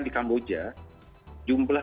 di kamboja jumlah